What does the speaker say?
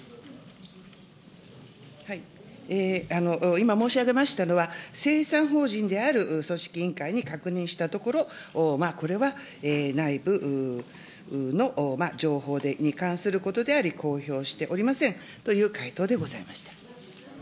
今申し上げましたのは、精査法人である組織委員会に確認したところ、これは内部の情報に関することであり、公表しておりませんという回答でございました。